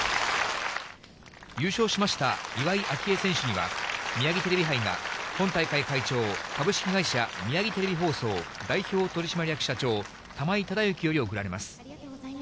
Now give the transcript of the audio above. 優勝しました岩井明愛選手には、ミヤギテレビ杯が今大会会長、株式会社宮城テレビ放送代表取締役社長、玉井忠幸より贈られます。